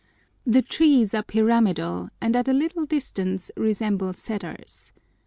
The trees are pyramidal, and at a little distance resemble cedars.